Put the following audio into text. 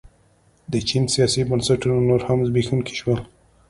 د چین سیاسي بنسټونه نور هم زبېښونکي شول.